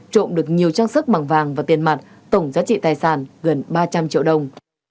trộm được nhiều trang sức bằng vàng và tiền mặt tổng giá trị tài sản gần ba trăm linh triệu đồng